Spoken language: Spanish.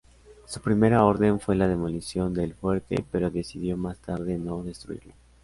Su primera orden fue la demolición del fuerte, pero decidió más tarde no destruirlo.